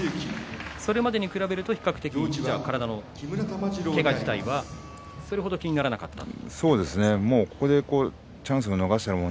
それまでに比べると比較的体のけが自体はそれほど気にならなかった？